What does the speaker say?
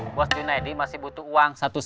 kuas united masih butuh uang